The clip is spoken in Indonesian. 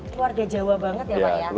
keluarga jawa barat ya pak ya